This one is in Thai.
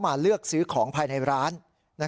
ค้าเป็นผู้ชายชาวเมียนมา